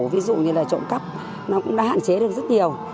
ví dụ như là trộm cắp nó cũng đã hạn chế được rất nhiều